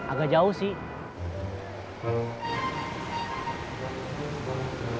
agak jauh sih